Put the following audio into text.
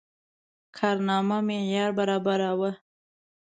کارنامه معیار برابره وه.